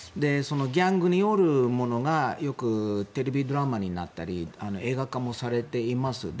ギャングによるものがよくテレビドラマになったり映画化もされています。